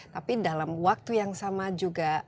tapi dalam waktu yang sama juga